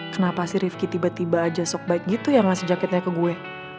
kenapa sih rifki tiba tiba aja sok bike gitu ya ngasih jaketnya ke gue